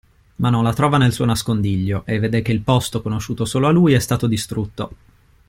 Ma non la trova nel suo nascondiglio e vede che il posto conosciuto solo a lui è stato distrutto.